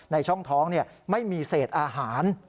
ในช่องท้องไม่มีเศษอาหาร